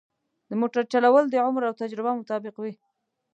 د موټر چلول د عمر او تجربه مطابق وي.